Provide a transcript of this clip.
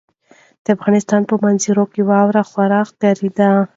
د افغانستان په منظره کې واوره خورا ښکاره ده.